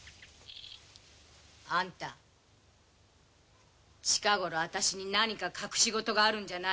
アンタ近頃私に何か隠しごとがあるんじゃないの？